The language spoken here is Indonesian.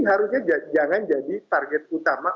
harusnya jangan jadi target utama